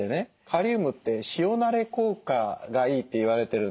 カリウムって塩なれ効果がいいって言われてるんです。